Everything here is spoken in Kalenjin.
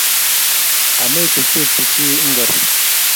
Amechuchukchi chi ngor.